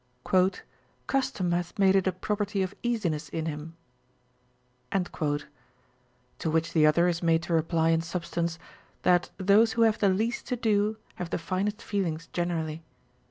" Custom hath made it a property of easiness in him." To which the other is made to reply in substance, that those who have the least to do have the finest feelings generally.